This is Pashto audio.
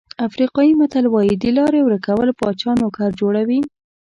افریقایي متل وایي د لارې ورکول پاچا نوکر جوړوي.